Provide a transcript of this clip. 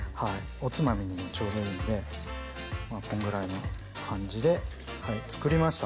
おつまみにちょうどいいんでこのぐらいの感じで作りました。